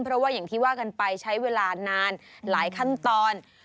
เพราะว่าอย่างที่ว่ากันไปใช้เวลานานหลายขั้นตอน